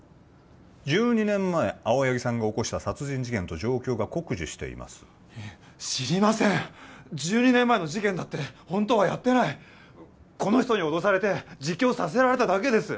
１２年前青柳さんが起こした殺人事件と状況が酷似しています知りません１２年前の事件だってホントはやってないこの人に脅されて自供させられただけです